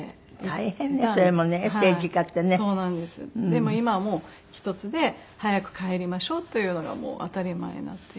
でも今はもう１つで早く帰りましょうというのがもう当たり前になっていて。